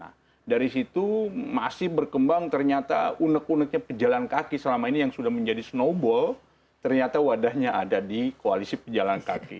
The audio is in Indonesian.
nah dari situ masih berkembang ternyata unek uneknya pejalan kaki selama ini yang sudah menjadi snowball ternyata wadahnya ada di koalisi pejalan kaki